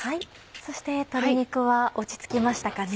そして鶏肉は落ち着きましたかね？